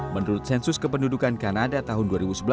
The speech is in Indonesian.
menurut sensus kependudukan kanada tahun dua ribu sebelas